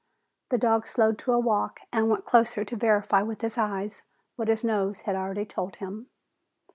The dog slowed to a walk and went closer to verify with his eyes what his nose had already told him.